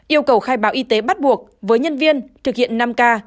yêu cầu khai báo y tế bắt buộc với nhân viên thực hiện năm k